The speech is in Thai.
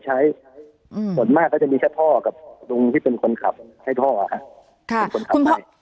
ส่วนมากก็จะมีแค่พ่อกับลุงที่เป็นคนขับให้พ่อ